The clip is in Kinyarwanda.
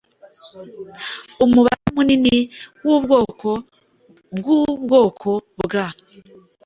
Umubare munini wubwoko bwubwoko bwa